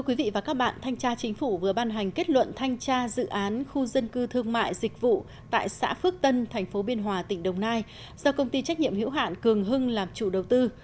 quý vị và các bạn thanh tra chính phủ vừa ban hành kết luận thanh tra dự án khu dân cư thương mại dịch vụ tại xã phước tân thành phố biên hòa tỉnh đồng nai do công ty trách nhiệm hữu hạn cường hưng làm chủ đầu tư